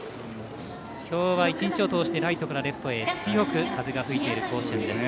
今日は１日を通してライトからレフトへ強く風が吹いている甲子園です。